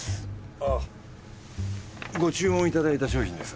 あっご注文いただいた商品です。